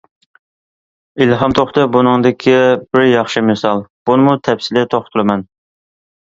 ئىلھام توختى بۇنىڭدىكى بىر ياخشى مىسال، بۇنىمۇ تەپسىلىي توختىلىمەن.